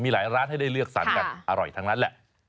มีหลายร้านให้ได้เลือกสรรกันอร่อยทั้งนั้นแหละ